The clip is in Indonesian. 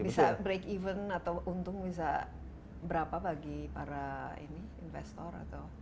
bisa break even atau untung bisa berapa bagi para investor atau